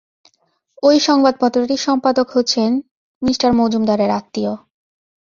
ঐ সংবাদপত্রটির সম্পাদক হচ্ছেন মি মজুমদারের আত্মীয়।